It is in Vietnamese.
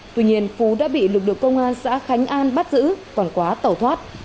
tuy nhiên phú đã bị lực lượng công an xã khánh an bắt giữ còn quá tẩu thoát